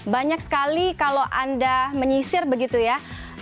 banyak sekali kalau anda menyisir begitu ya